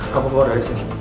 kamu bawa dari sini